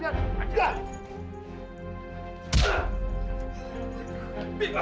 dimana kan rumahnya